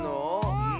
うん。